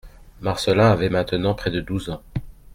Marcelin avait maintenant près de douze ans.